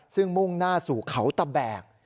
ซึ่งมุ่งหน้าสู่เขาตะแบก